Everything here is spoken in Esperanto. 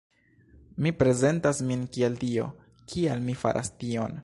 Mi prezentas min kiel Dio, kial mi faras tion?